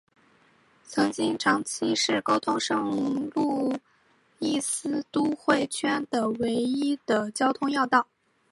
曾经长期是沟通圣路易斯都会圈的唯一的交通要道。